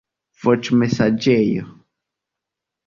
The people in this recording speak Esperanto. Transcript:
voĉmesaĝejo